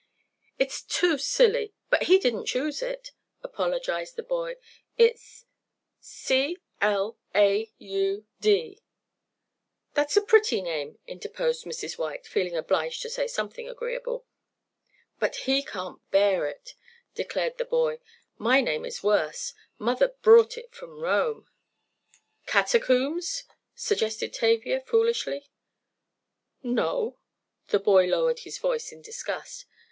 "It's too silly, but he didn't choose it," apologized the boy. "It's C l a u d!" "That's a pretty name," interposed Mrs. White, feeling obliged to say something agreeable. "But he can't bear it," declared the boy. "My name is worse. Mother brought it from Rome." "Catacombs?" suggested Tavia, foolishly. "No," the lad lowered his voice in disgust.